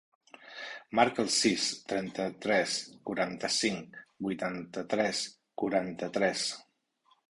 Marca el sis, trenta-tres, quaranta-cinc, vuitanta-tres, quaranta-tres.